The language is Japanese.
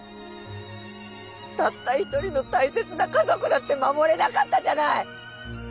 たった１人の大切な家族だって守れなかったじゃない！